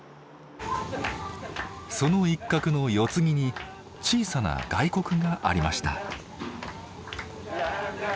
その一角の四つ木に小さな「外国」がありました。